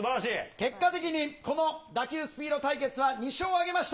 結果的にこの打球スピード対決は、２勝を挙げました